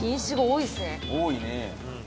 多いね。